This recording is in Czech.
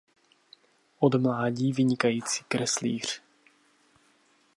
Od mládí vynikající kreslíř.